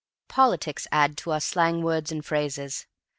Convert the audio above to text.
Politics add to our slang words and phrases.